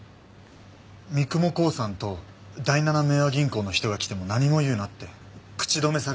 三雲興産と第七明和銀行の人が来ても何も言うなって口止めされたから。